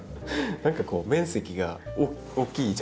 何かこう面積が大きいじゃないですか。